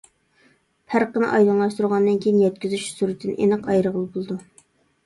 پەرقىنى ئايدىڭلاشتۇرغاندىن كېيىن يەتكۈزۈش سۈرئىتىنى ئېنىق ئايرىغىلى بولىدۇ.